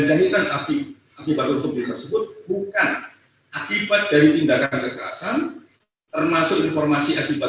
jatuhkan api akibat tertutup tersebut bukan akibat dari tindakan kekerasan termasuk informasi akibat